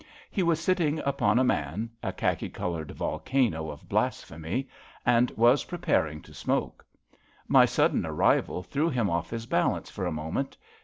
He was sitting upon a man — a khaki coloured volcano of blasphemy — and was preparing to smoke. My sudden arrival threw him off his balance for a moment.